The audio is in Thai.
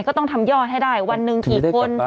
ก็ต้องทำยอดให้ได้วันหนึ่งกี่คน